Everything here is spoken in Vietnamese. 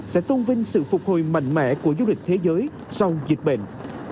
sẽ tôn vinh sự phục hồi mạnh mẽ của du lịch thế giới sau dịch bệnh